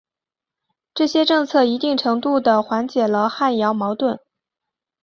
这些政策一定程度的缓解了汉瑶矛盾。